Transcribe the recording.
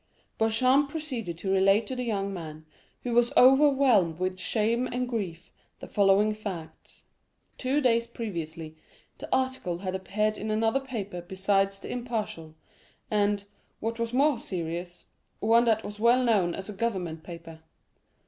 Beauchamp proceeded to relate to the young man, who was overwhelmed with shame and grief, the following facts. Two days previously, the article had appeared in another paper besides _ l'Impartial_, and, what was more serious, one that was well known as a government paper.